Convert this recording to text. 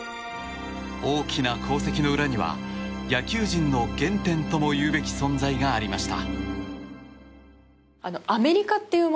大きな功績の裏には野球人の原点ともいうべき存在がありました。